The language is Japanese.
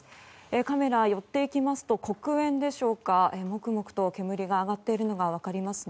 カメラで寄っていきますと黒煙でしょうかモクモクと煙が上がっているのが分かりますね。